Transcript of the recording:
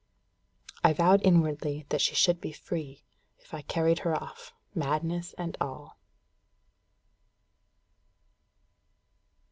I vowed inwardly that she should be free, if I carried her off, madness and all.